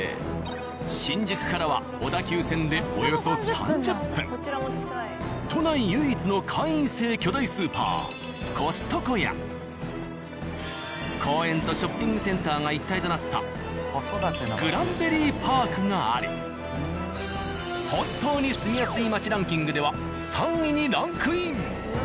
新宿からは都内唯一の会員制巨大スーパー「ＣＯＳＴＣＯ」や公園とショッピングセンターが一体となったグランベリーパークがあり本当に住みやすい街ランキングでは３位にランクイン。